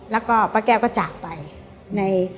แล้วก็ป้าแก้วก็จากไปใน